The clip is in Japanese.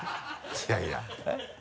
いやいや。